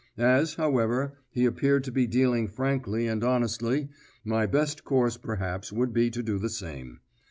As, however, he appeared to be dealing frankly and honestly, my best course perhaps would be to do the same.